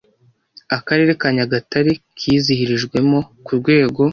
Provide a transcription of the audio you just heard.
Akarere ka Nyagatare kizihirijwemo ku rwego